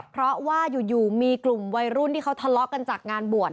เพราะว่าอยู่มีกลุ่มวัยรุ่นที่เขาทะเลาะกันจากงานบวช